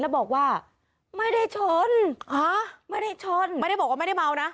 แล้วบอกว่าไม่ได้ชนไม่ได้ชนไม่ได้บอกว่าไม่ได้เมานะ